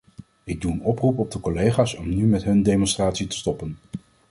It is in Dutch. Ik doe een oproep op de collega's om nu met hun demonstratie te stoppen.